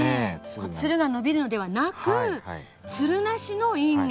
つるが伸びるのではなくつるなしのインゲン。